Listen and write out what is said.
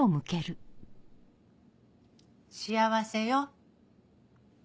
幸せよ。